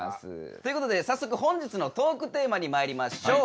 ということで早速本日のトークテーマにまいりましょう。